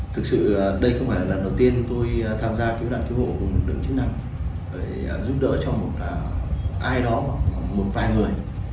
thực sự đây không phải là lần đầu tiên tôi tham gia cứu nạn cứu hộ của lực lượng chức năng để giúp đỡ cho một ai đó một vài người